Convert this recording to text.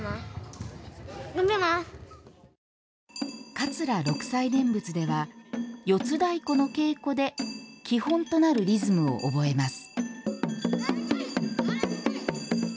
桂六斎念仏では四つ太鼓の稽古で基本となるリズムを覚えます。